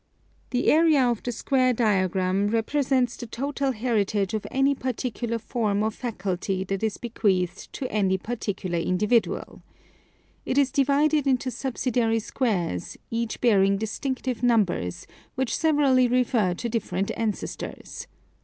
The area of the square diagram represents the total heritage NO, 1474, VOL. 57] of any particular form or faculty that is bequeathed to any particular individual. It is divided into subsidiary squares, each bearing distinctive numbers, which severally refer to dif ferent ancestors.